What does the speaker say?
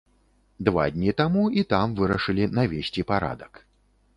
Два дні таму і там вырашылі навесці парадак.